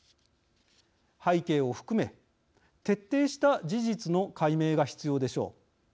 背景を含め徹底した事実の解明が必要でしょう。